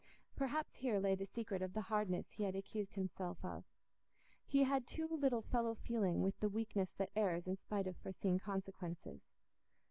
Perhaps here lay the secret of the hardness he had accused himself of: he had too little fellow feeling with the weakness that errs in spite of foreseen consequences.